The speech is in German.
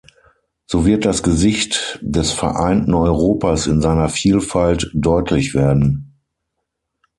So wird das Gesicht des vereinten Europas in seiner Vielfalt deutlich werden.